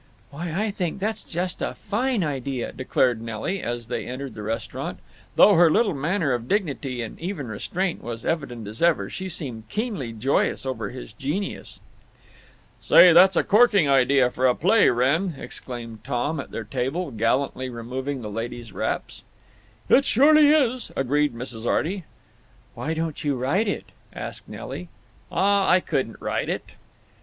"Why, I think that's just a fine idea," declared Nelly, as they entered the restaurant. Though her little manner of dignity and even restraint was evident as ever, she seemed keenly joyous over his genius. "Say, that's a corking idea for a play, Wrenn," exclaimed Tom, at their table, gallantly removing the ladies' wraps. "It surely is," agreed Mrs. Arty. "Why don't you write it?" asked Nelly. "Aw—I couldn't write it!"